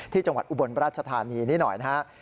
ที่จังหวัดอุบลประชธานีนิดหน่อยนะฮะ